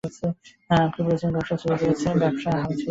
আপনি বলেছিলেন ব্যবসা ছেড়ে দিয়েছেন।